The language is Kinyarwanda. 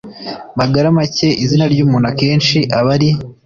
magaramake izina ry'umuntu akenshi aba ari